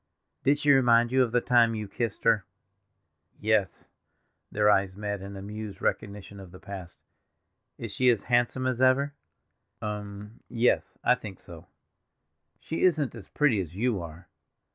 "Did she remind you of the time you kissed her?" "Yes!" Their eyes met in amused recognition of the past. "Is she as handsome as ever?" "Um—yes—I think so. She isn't as pretty as you are."